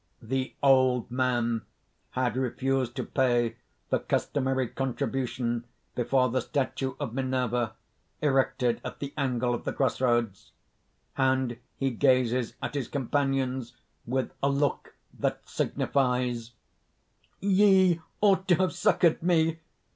_ THE OLD MAN _had refused to pay the customary contribution before the statue of Minerva, erected at the angle of the cross roads; and he gazes at his companions with a look that signifies_: ) "Ye ought to have succored me!